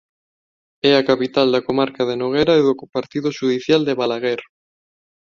É a capital da comarca da Noguera e do partido xudicial de Balaguer.